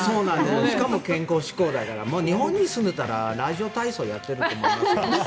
しかも健康志向だから日本に住んでいたらラジオ体操していると思いますよ。